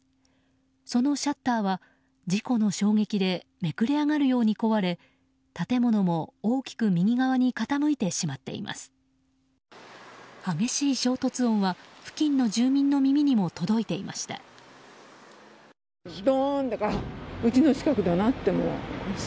そのシャッターは事故の衝撃でめくれ上がるように壊れ建物も大きく右側に傾いてしまっています。